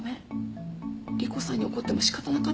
莉湖さんに怒っても仕方なかった。